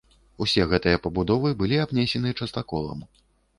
Усе гэтыя пабудовы былі абнесены частаколам.